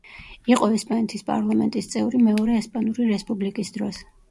იყო ესპანეთის პარლამენტის წევრი მეორე ესპანური რესპუბლიკის დროს.